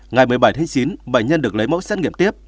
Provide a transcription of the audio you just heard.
ngày một mươi bảy tháng chín bệnh nhân được lấy mẫu xét nghiệm tiếp